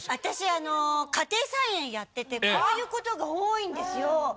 私あの家庭菜園やっててこういうことが多いんですよ。